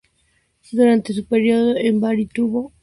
Durante su período en Bari tuvo entre sus colaboradores a Aldo Moro.